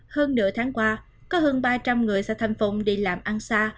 hơn nửa tháng qua có hơn ba trăm linh người xã thanh phong đi làm ăn xa